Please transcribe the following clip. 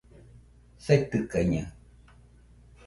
saitɨkaɨñaɨ